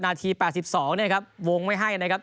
นาที๘๒เนี่ยครับวงไว้ให้นะครับ